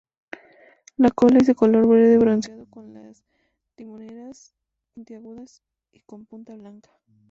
La cola es color verde bronceado con las timoneras puntiagudas y con punta blanca.